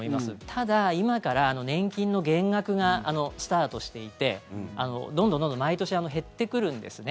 ただ、今から年金の減額がスタートしていてどんどんどんどん毎年減ってくるんですね。